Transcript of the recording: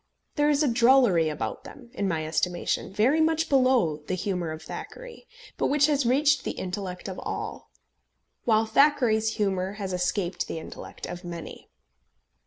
There is a drollery about them, in my estimation, very much below the humour of Thackeray, but which has reached the intellect of all; while Thackeray's humour has escaped the intellect of many.